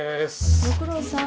ご苦労さん。